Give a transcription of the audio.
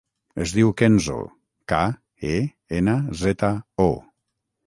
Es diu Kenzo: ca, e, ena, zeta, o.